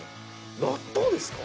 納豆ですか？